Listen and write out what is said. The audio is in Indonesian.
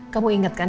kamu ingat kan